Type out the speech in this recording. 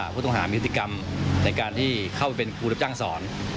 พูดถึงหามีพฤติกรรมนะครับในการเข้าไปเป็นครูดำจ้างสอน